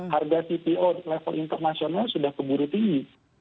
harga cpo level internasional sudah keburu tinggi